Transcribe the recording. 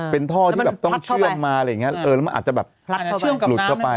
เป็นท่อที่ต้องเชื่อมมาแล้วมันอาจจะหลุดเข้าไป